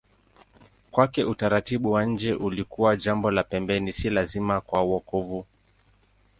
Kwake utaratibu wa nje ulikuwa jambo la pembeni, si lazima kwa wokovu.